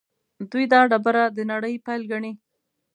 دوی دا ډبره د نړۍ پیل ګڼي.